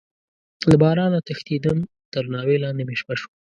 له بارانه تښتيدم، تر ناوې لاندې مې شپه شوه.